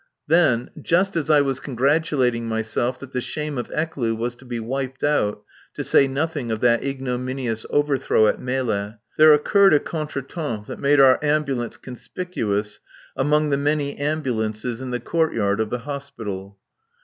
Then, just as I was congratulating myself that the shame of Ecloo was to be wiped out (to say nothing of that ignominious overthrow at Melle), there occurred a contretemps that made our ambulance conspicuous among the many ambulances in the courtyard of the Hospital.